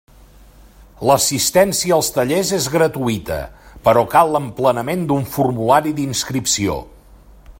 L'assistència als tallers és gratuïta, però cal l'emplenament d'un formulari d'inscripció.